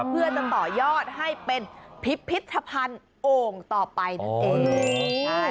เพื่อจะต่อยอดให้เป็นพิพิธภัณฑ์โอ่งต่อไปนั่นเอง